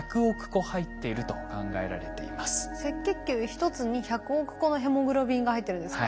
赤血球１つに１００億個のヘモグロビンが入ってるんですか？